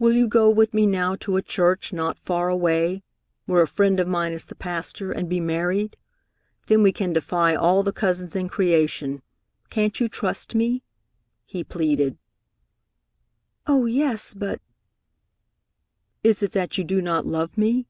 "Will you go with me now to a church not far away, where a friend of mine is the pastor, and be married? Then we can defy all the cousins in creation. Can't you trust me?" he pleaded. "Oh, yes, but " "Is it that you do not love me?"